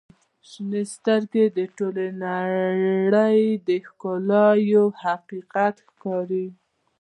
• شنې سترګې د ټولې نړۍ د ښکلا یوه حقیقت ښکاري.